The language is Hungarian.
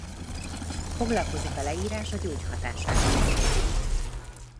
Foglalkozik a leírás a gyógyhatásával is.